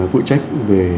vụ trách về